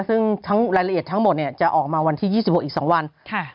ซึ่งทั้งรายละเอียดทั้งหมดเนี้ยจะออกมาวันที่ยี่สิบหกอีกสองวันค่ะ